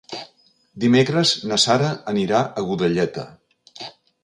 Dimecres na Sara anirà a Godelleta.